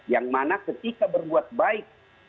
yang mana ketika berbuat baik